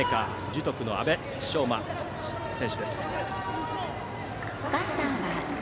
樹徳の阿部匠真選手です。